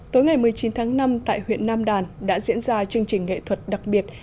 tối ngày một mươi chín tháng năm tại huyện nam đàn đã diễn ra chương trình nghệ thuật đặc biệt